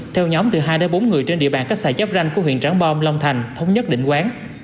theo nhóm từ hai đến bốn người trên địa bàn cách xài chấp ranh của huyện tróng bông long thành thống nhất định quán